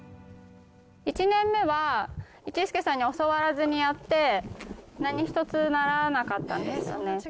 １年目は、一助さんに教わらずにやって、何一つならなかったんですよね。